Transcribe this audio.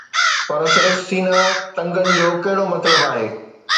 پر صرف سينه ٽنگڻ جو ڪهڙو مطلب آهي؟